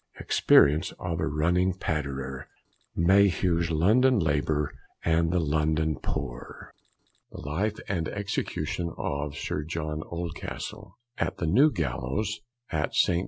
EXPERIENCE OF A RUNNING PATTERER. Mayhew's London Labour and the London Poor. THE LIFE & EXECUTION OF SIR JOHN OLDCASTLE AT THE NEW GALLOWS, AT _ST.